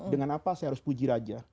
dengan apa saya harus puji raja